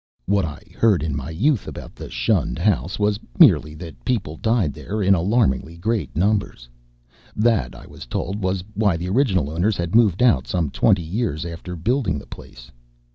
What I heard in my youth about the shunned house was merely that people died there in alarmingly great numbers. That, I was told, was why the original owners had moved out some twenty years after building the place.